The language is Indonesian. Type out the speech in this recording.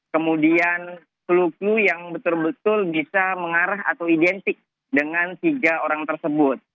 kemudian pelukmu yang betul betul bisa mengarah atau identik dengan tiga orang tersebut